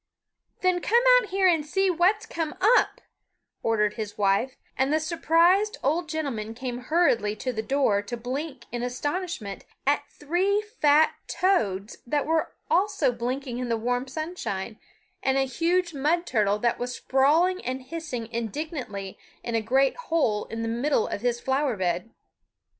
"Then come out here and see what's come up," ordered his wife; and the surprised old gentleman came hurriedly to the door to blink in astonishment at three fat toads that were also blinking in the warm sunshine, and a huge mud turtle that was sprawling and hissing indignantly in a great hole in the middle of his flower bed.